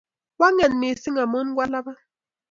Kwang'et missing' amun kwaalabat.